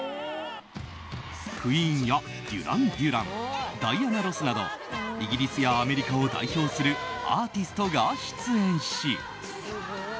ＱＵＥＥＮやデュラン・デュランダイアナ・ロスなどイギリスやアメリカを代表するアーティストが出演し。